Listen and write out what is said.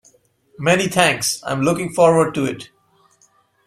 Many thanks. I'm looking forward to it.